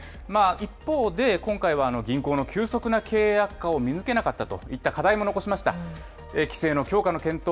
一方で、今回は銀行の急速な経営悪化を見抜けなかったといった課題も残しました。